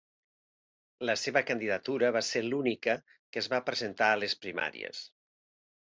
La seva candidatura va ser l'única que es va presentar a les primàries.